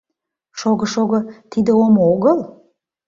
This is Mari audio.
Шого-шого, тиде омо огыл?